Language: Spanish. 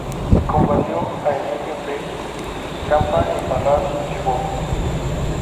Combatió a Emilio P. Campa en Parral, Chihuahua.